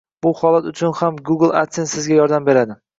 Bu holat uchun ham Google adsense Sizga yordam beradi